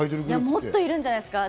もっといるんじゃないですか？